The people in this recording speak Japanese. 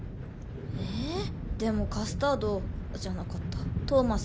えでもカスタードじゃなかったトーマス